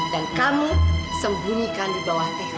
dan kamu sembunyikan di bawah tehu kamu